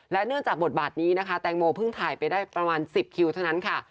เนื่องจากบทบาทนี้นะคะแตงโมเพิ่งถ่ายไปได้ประมาณ๑๐คิวเท่านั้นค่ะ